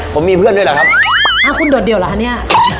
ผมมีเพื่อนด้วยเหรอครับอ้าวคุณโดดเดี่ยวเหรอคะเนี่ย